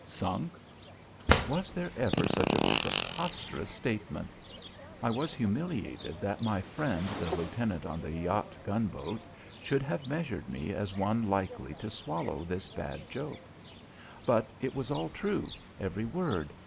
"Sunk." Was there ever such a preposterous statement? I was humiliated that my friend, the lieutenant on the yacht gunboat, should have measured me as one likely to swallow this bad joke. But it was all true; every word.